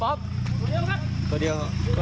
ตัวเดียวครับ